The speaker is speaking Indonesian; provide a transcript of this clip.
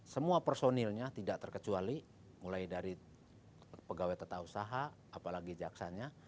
semua personilnya tidak terkecuali mulai dari pegawai tetap usaha apalagi jaksanya